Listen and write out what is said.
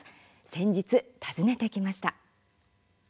先日、訪ねてきました。